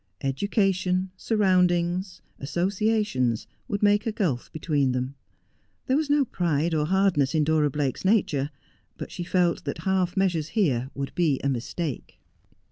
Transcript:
Education, surroundings, associations, would make a gulf between them. There was no pride or hardness in Dora Blake's nature, but she felt that half measures here would be a mistake.